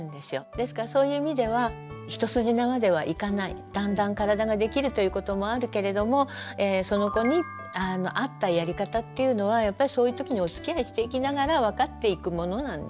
ですからそういう意味では一筋縄ではいかないだんだん体ができるということもあるけれどもその子にあったやり方っていうのはやっぱりそういうときにおつきあいしていきながら分かっていくものなんですよね。